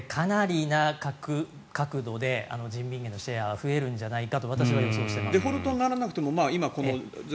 これはかなりの確度で人民元のシェアは増えるんじゃないかと私は予測しています。